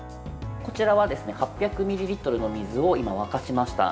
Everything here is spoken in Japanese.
こちらは８００ミリリットルの水を今、沸かしました。